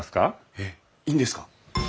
えっいいんですか？